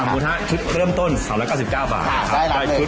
๓๒๕บาทชุดเครื่องต้น๓๙๙บาทได้ชุดหมูนุ่มได้น้ำอารมณ์ฟรี